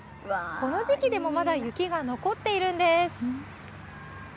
この時期でもまだ雪が残っているんです。